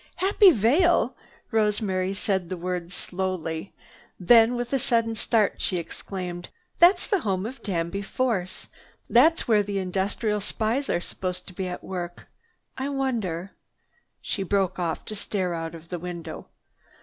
"Happy Vale." Rosemary said the words slowly. Then with a sudden start she exclaimed, "That's the home of Danby Force. That's where the industrial spies are supposed to be at work. I wonder—" She broke off to stare out of the window.